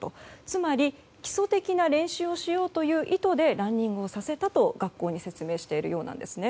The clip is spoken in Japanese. つまり、基礎的な練習をしようという意図でランニングをさせたと学校に説明しているようなんです。